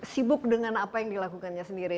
sibuk dengan apa yang dilakukannya sendiri